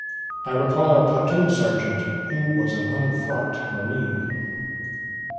I recall our platoon sergeant who was an unfrocked Marine.